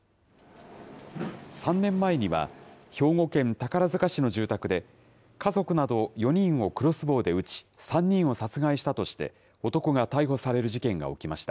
３年前には、兵庫県宝塚市の住宅で、家族など４人をクロスボウで撃ち、３人を殺害したとして、男が逮捕される事件が起きました。